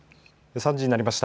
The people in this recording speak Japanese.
３時になりました。